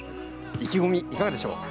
意気込みいかがでしょうか。